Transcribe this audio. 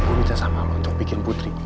gue minta sama lo untuk bikin putri